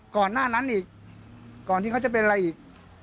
ก่อนหน้านั้นอีกก่อนที่เขาจะเป็นอะไรอีก